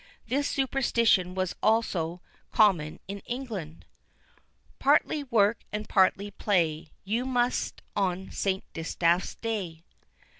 This superstition was also common in England: Partly work and partly play You must on St. Distaff's day.